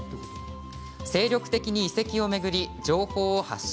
精力的に遺跡を巡り情報を発信。